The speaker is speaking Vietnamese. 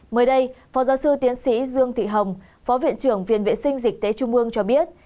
mới đây phó giáo sư tiến sĩ dương thị hồng phó viện trưởng viện vệ sinh dịch tế trung ương cho biết